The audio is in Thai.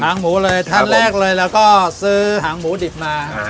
หมูเลยท่านแรกเลยแล้วก็ซื้อหางหมูดิบมา